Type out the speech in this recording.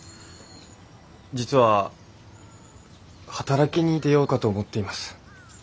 実は働きに出ようかと思っています。